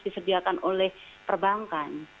disediakan oleh perbankan